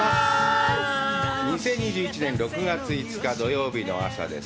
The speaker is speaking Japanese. ２０２１年６月５日土曜日の朝です。